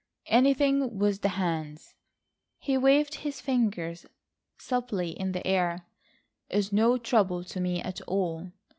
Anything with the hands," he waved his fingers supplely in the air, "is no trouble to me at all.